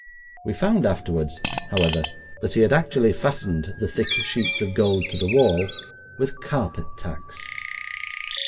We found afterwards, however, that he had actually fastened the thick sheets of gold to the wall with carpet tacks.